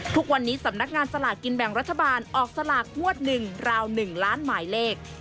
ทุกวันนี้สำนักงานสลากกินแบ่งรัฐบาลออกสลากงวด๑ราว๑ล้านหมายเลข